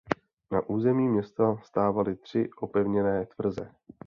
Na území města stávaly tři opevněné tvrze.